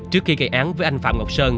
trước khi gây án với anh phạm ngọc sơn